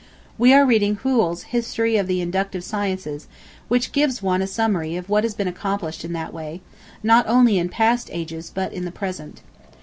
We are reading Whewell's "History of the Inductive Sciences," which gives one a summary of what has been accomplished in that way, not only in past ages, but in the present.